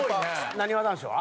なにわ男子は？